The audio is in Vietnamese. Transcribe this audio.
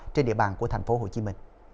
trên địa bàn của tp hcm